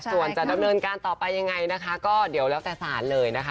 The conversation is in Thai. ส่วนจะดำเนินการต่อไปยังไงนะคะก็เดี๋ยวแล้วแต่ศาลเลยนะคะ